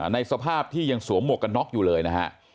ในสภาพที่ยังสวมหมวกกันน็อกอยู่เลยนะฮะ